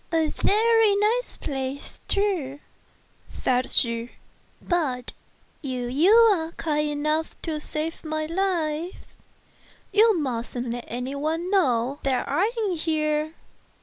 "And a very nice place, too," said she; "but if you are kind enough to wish to save my life, you musn't let it be known that I am here."